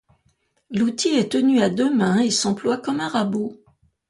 L'outil est tenu à deux mains et s'emploie comme un rabot.